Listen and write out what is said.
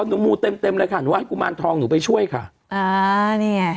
อ๋อหนูมูลเต็มเลยค่ะหนูไหว้กุมารทองหนูไปช่วยค่ะอ่านี่ไง